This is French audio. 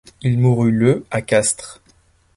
Il mourut le à Castres.